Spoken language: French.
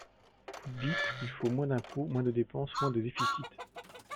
Vous dites qu’il faut moins d’impôts, moins de dépenses, moins de déficit.